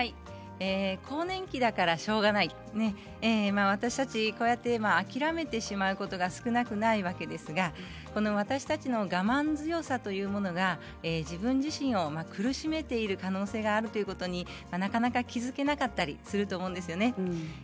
更年期だからしょうがない私たち、こうやって諦めてしまうことが少なくないわけですが私たちの我慢強さというものが自分自身を苦しめている可能性があるということになかなか気付けなかったりすると思うんですよね。